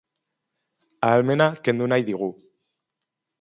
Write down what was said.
Ahalmena kendu nahi digu.